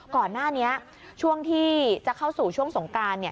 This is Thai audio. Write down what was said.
ก่อนหน้านี้ช่วงที่จะเข้าสู่ช่วงสงการ